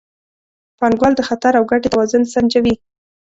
پانګوال د خطر او ګټې توازن سنجوي.